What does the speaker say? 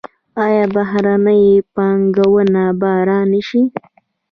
آیا بهرنۍ پانګونه به را نشي؟